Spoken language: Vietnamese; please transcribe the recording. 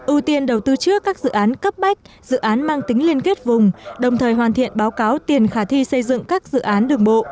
ưu tiên đầu tư trước các dự án cấp bách dự án mang tính liên kết vùng đồng thời hoàn thiện báo cáo tiền khả thi xây dựng các dự án đường bộ